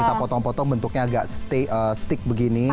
kita potong potong bentuknya agak stick begini